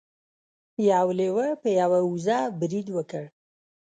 یو لیوه په یوه وزه برید وکړ.